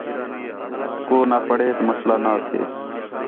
کُو نہ پڑھیت مسئلہ نا تھے